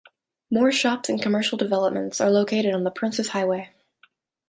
More shops and commercial developments are located on the Princes Highway.